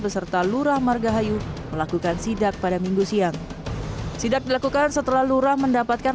beserta lurah margahayu melakukan sidak pada minggu siang sidak dilakukan setelah lurah mendapatkan